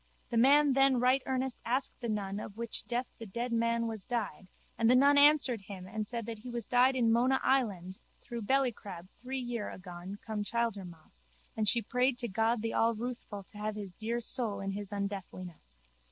The man then right earnest asked the nun of which death the dead man was died and the nun answered him and said that he was died in Mona Island through bellycrab three year agone come Childermas and she prayed to God the Allruthful to have his dear soul in his undeathliness.